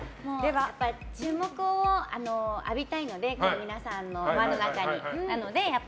注目を浴びたいので皆さんの輪の中に。